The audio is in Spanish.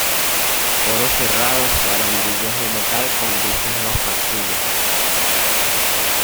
Foros cerrados barandillas de metal con vistas a los pasillos.